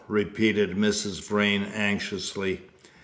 repeated Mrs. Vrain anxiously.